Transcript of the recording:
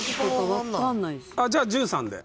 じゃあ１３で。